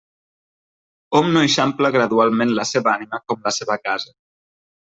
Hom no eixampla gradualment la seva ànima com la seva casa.